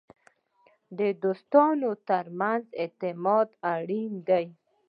د دوستانو ترمنځ اعتماد اړین دی.